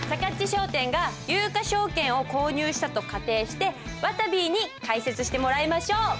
商店が有価証券を購入したと仮定してわたびに解説してもらいましょう。